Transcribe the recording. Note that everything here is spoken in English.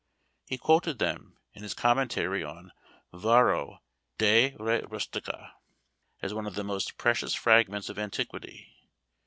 He quoted them, in his commentary on Varro De Re Rusticâ, as one of the most precious fragments of antiquity.